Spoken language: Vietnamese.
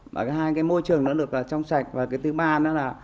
và cái hai cái môi trường nó được trong sạch và cái thứ ba nữa là